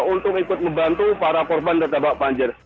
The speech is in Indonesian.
untuk ikut membantu para korban terdampak banjir